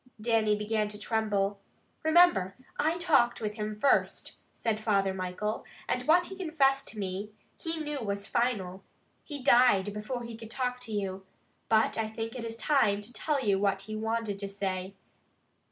Dannie began to tremble. "Remember, I talked with him first," said Father Michael, "and what he confessed to me, he knew was final. He died before he could talk to you, but I think it is time to tell you what he wanted to say.